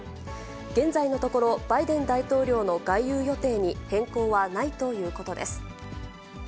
現在のところ、バイデン大統領の外遊予定に変更はないということです。